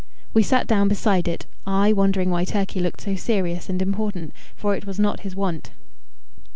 We sat down beside it, I wondering why Turkey looked so serious and important, for it was not his wont.